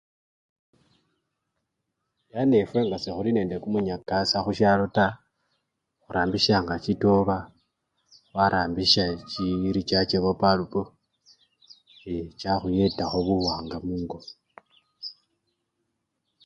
Yani efwe nga sekhuli nende kumunyakasa khusyalo taa, khurambisyanga chitoba, khwarambisya chirichachebo balupu ye! chakhuyetakho buwanga mungo.